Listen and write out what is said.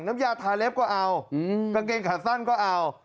น้ำยาทาเล็บก็เอากางเกงขาสั้นก็เอา